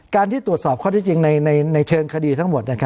ที่ตรวจสอบข้อที่จริงในเชิงคดีทั้งหมด